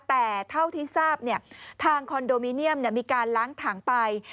แต่เท่าที่ทราบทางคอนโดมิเนียมมีการล้างถังไป